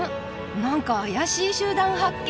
何か怪しい集団発見。